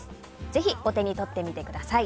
ぜひお手に取ってみてください。